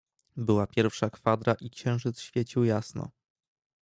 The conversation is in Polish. "Była pierwsza kwadra i księżyc świecił jasno."